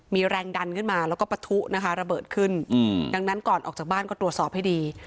มีแรงดันขึ้นมาแล้วก็ปะทุนะคะระเบิดขึ้นดังนั้นก่อนออกจากบ้านก็ตรวจสอบให้ดี